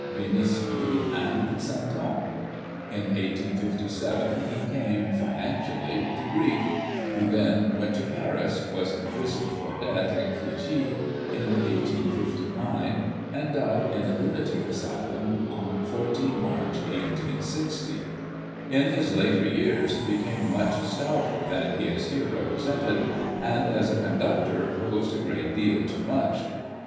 Wieniawski and Sainton. In 1857 he came, financially, to grief; he then went to Paris, was imprisoned for debt in Clichy, in 1859, and died in a lunatic asylum on 14 March, i860. In his later years he became much stouter than he is here represented, and, as a conductor, posed a great deal too much.